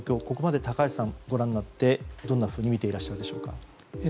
ここまでご覧になって、高橋さんどんなふうに見ていらっしゃるでしょうか。